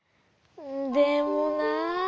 でもなあ。